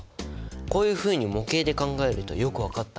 こういうふうに模型で考えるとよく分かった。